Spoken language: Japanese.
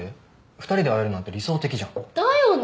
２人で会えるなんて理想的じゃん。だよね？